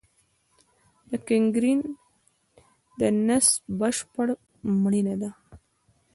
د ګینګرین د نسج بشپړ مړینه ده.